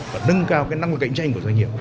và nâng cao cái năng lực cạnh tranh của doanh nghiệp